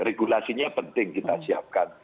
regulasinya penting kita siapkan